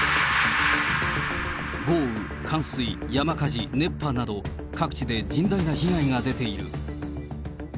豪雨、冠水、山火事、熱波など、各地で甚大な被害が出ている。